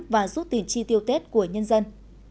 và giúp tiền chi tiêu tết của nhân dân